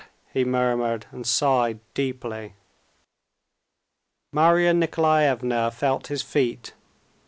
he murmured, and sighed deeply. Marya Nikolaevna felt his feet.